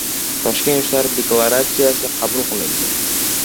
Toshkent Yoshlar deklarasiyasi qabul qilindi